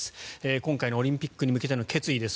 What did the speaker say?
今回のオリンピックに向けての決意です。